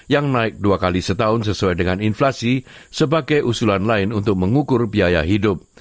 yang naik dua kali setahun sesuai dengan inflasi sebagai usulan lain untuk mengukur biaya hidup